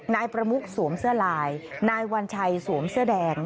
นายประมุกสวมเสื้อลายนายวัญชัยสวมเสื้อแดง